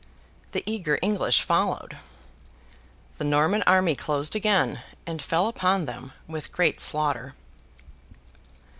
The eager English followed. The Norman army closed again, and fell upon them with great slaughter.